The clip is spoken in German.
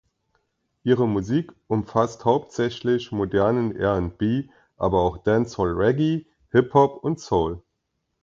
Ihre Musik umfasst hauptsächlich modernen R&B, aber auch Dancehall Reggae, Hip Hop und Soul.